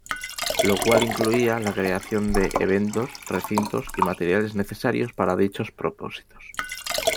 Lo cual incluía la creación de eventos, recintos y materiales necesarios para dichos propósitos.